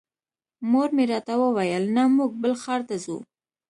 مور مې راته وویل نه موږ بل ښار ته ځو.